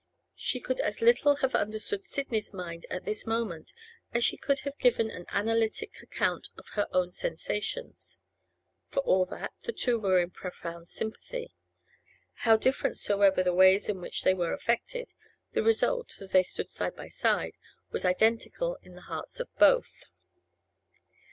She could as little have understood Sidney's mind at this moment as she could have given an analytic account of her own sensations. For all that, the two were in profound sympathy; how different soever the ways in which they were affected, the result, as they stood side by side, was identical in the hearts of both.